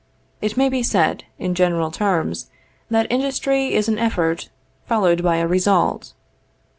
It may be said, in general terms, that industry is an effort followed by a result.